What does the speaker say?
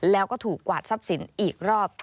แล้วก็ถูกกวาดทรัพย์สินอีกรอบ